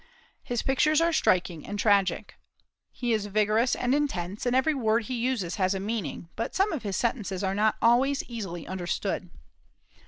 His pictures are striking and tragic. He is vigorous and intense, and every word he uses has a meaning, but some of his sentences are not always easily understood.